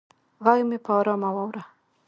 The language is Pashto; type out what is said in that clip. غږ مې په ارامه واوره